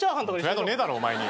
プライドねえだろお前に。